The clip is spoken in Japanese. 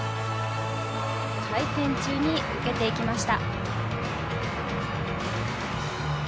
回転中に受けていきました。